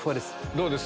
どうです？